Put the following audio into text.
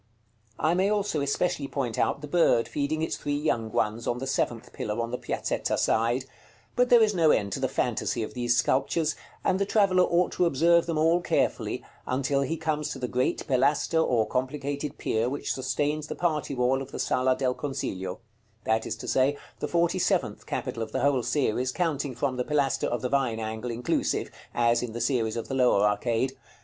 I may also especially point out the bird feeding its three young ones on the seventh pillar on the Piazzetta side; but there is no end to the fantasy of these sculptures; and the traveller ought to observe them all carefully, until he comes to the great Pilaster or complicated pier which sustains the party wall of the Sala del Consiglio; that is to say, the forty seventh capital of the whole series, counting from the pilaster of the Vine angle inclusive, as in the series of the lower arcade.